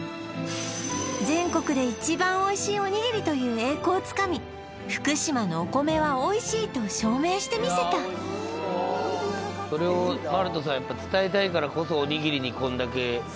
全国で一番おいしいおにぎりという栄光をつかみ福島のお米はおいしいと証明してみせたすごいねやっぱ力入れてね